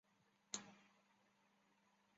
祖父洪长庚是台湾首位眼科博士。